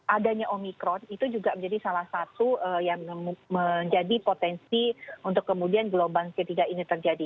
adanya omikron itu juga menjadi salah satu yang menjadi potensi untuk kemudian gelombang ketiga ini terjadi